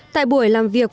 tại buổi làm việc